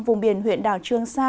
vùng biển huyện đảo trương sa